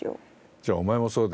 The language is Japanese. じゃあお前もそうだよ。